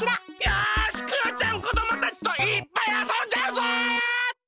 よしクヨちゃんこどもたちといっぱいあそんじゃうぞ！